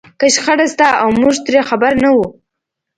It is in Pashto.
که شخړه شته او موږ ترې خبر نه وو.